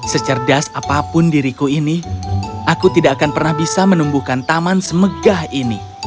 secerdas apapun diriku ini aku tidak akan pernah bisa menumbuhkan taman semegah ini